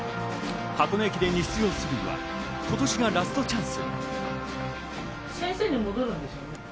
箱根駅伝に出場するには今年がラストチャンス。